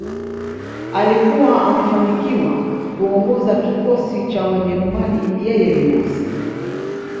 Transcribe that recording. Alikuwa amefanikiwa kuongoza kikosi cha Wajerumani yeye binafsi